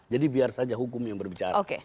jadi biar saja hukum yang berbicara